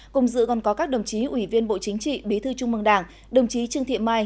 cùng dự còn có các đồng chí ủy viên bộ chính trị bí thư trung mương đảng đồng chí trương thị mai